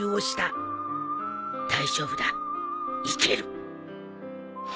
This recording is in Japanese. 大丈夫だいける！